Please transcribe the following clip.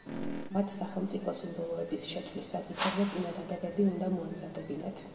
მათ სახელმწიფო სიმბოლოების შეცვლის საკითხებზე წინადადებები უნდა მოემზადებინათ.